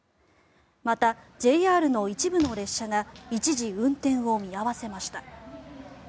また、ＪＲの一部の列車が一時運転を見合わせました。